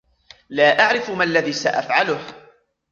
لا أعرف ما الذي سأفعله؟